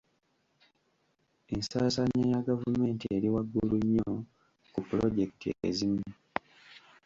Ensaasaanya ya gavumenti eri waggulu nnyo ku pulojekiti ezimu.